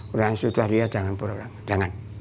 orang yang sudah lihat jangan pura pura tidak dengar